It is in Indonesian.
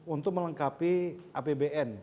untuk melengkapi apbn